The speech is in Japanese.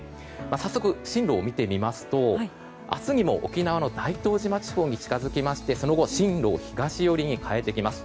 早速進路を見てみますと明日にも沖縄の大東島地方に近づきましてその後、進路を東寄りに変えてきます。